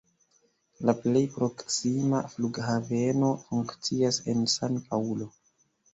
La plej proksima flughaveno funkcias en San-Paŭlo.